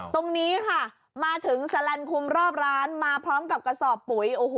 ตรงนี้ค่ะมาถึงสแลนด์คุมรอบร้านมาพร้อมกับกระสอบปุ๋ย